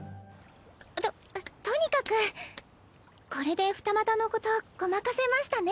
ととにかくこれで二股のことごまかせましたね。